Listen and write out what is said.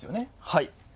はい。